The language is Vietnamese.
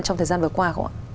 trong thời gian vừa qua không ạ